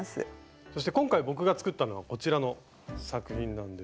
そして今回僕が作ったのがこちらの作品なんですが。